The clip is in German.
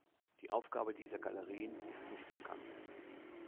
Die Aufgabe dieser Galerien ist nicht bekannt.